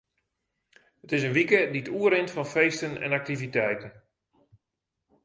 It is in wike dy't oerrint fan feesten en aktiviteiten.